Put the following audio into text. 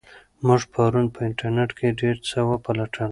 موږ پرون په انټرنیټ کې ډېر څه وپلټل.